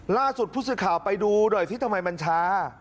ล่าสุดผู้เจ้าข่าวไปดูโดยออกที่ทำไมมันช้า